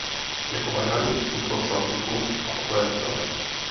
Jako varhaník působil v Salzburgu a posléze v Praze.